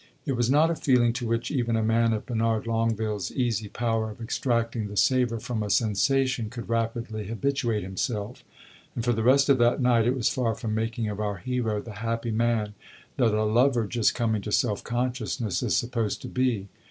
It was not a feeling to which even a man of Bernard Longueville's easy power of extracting the savour from a sensation could rapidly habituate himself, and for the rest of that night it was far from making of our hero the happy man that a lover just coming to self consciousness is supposed to be.